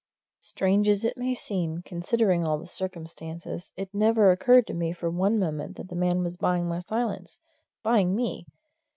Strange as it may seem, considering all the circumstances, it never occurred to me for one moment that the man was buying my silence, buying me.